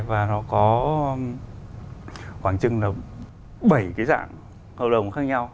và nó có khoảng chừng là bảy cái dạng hợp đồng khác nhau